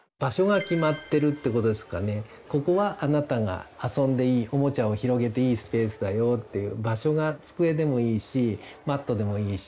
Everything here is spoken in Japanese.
「ここはあなたが遊んでいいおもちゃを広げていいスペースだよ」っていう場所が机でもいいしマットでもいいし。